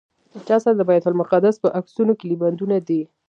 چا سره د بیت المقدس په عکسونو کیلي بندونه دي.